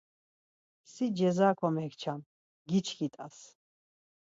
Si ceza komekçam, giçkit̆as.